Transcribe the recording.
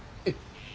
えっ！